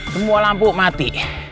semua lampu mati